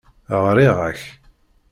Ɣriɣ-ak.